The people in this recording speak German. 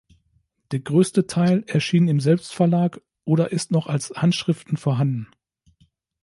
Der größte Teil erschien im Selbstverlag oder ist noch als Handschriften vorhanden.